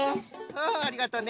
うんありがとうね。